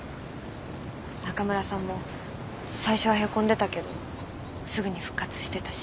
中村さんも最初はへこんでたけどすぐに復活してたし。